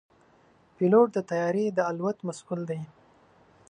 پيلوټ د طیارې د الوت مسؤل دی.